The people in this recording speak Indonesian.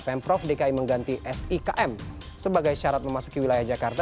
pemprov dki mengganti sikm sebagai syarat memasuki wilayah jakarta